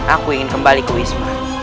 aku ingin kembali ke wisma